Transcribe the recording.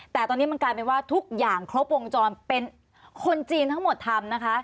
แต่ตอนนี้มันกลายเป็นว่าทุกอย่างครบวงจรเป็นคนจีนทั้งหมดทำนะคะ